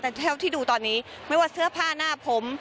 แต่เท่าที่ดูตอนนี้ไม่ว่าเสื้อผ้าหน้าผม